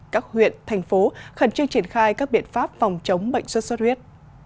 các huyện thành phố khẩn trương triển khai các biện pháp phòng chống bệnh xuất xuất huyết